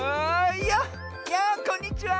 いやこんにちは！